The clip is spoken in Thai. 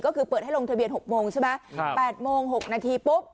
ก็คือเปิดให้ลงทะเบียนหกโมงใช่ไหมครับแปดโมงหกนาทีปุ๊บ